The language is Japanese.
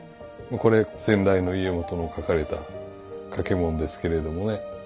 これ先代の家元の書かれた掛物ですけれどもね